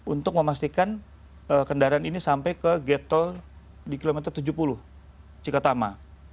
untuk memastikan kendaraan ini sampai ke getol di kilometer tujuh puluh cikatama